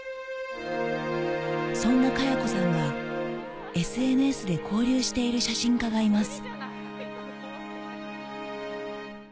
そんなかや子さんがＳＮＳで交流している写真家がいます